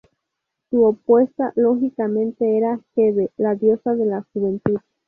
Su opuesta, lógicamente, era Hebe, la diosa de la juventud.